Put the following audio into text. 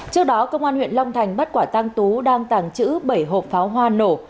trước đó công an huyện long thành bắt quả tăng tú đang tàng trữ bảy hộp pháo hoa nổ